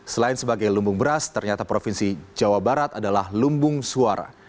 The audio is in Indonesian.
selain sebagai lumbung beras ternyata provinsi jawa barat adalah lumbung suara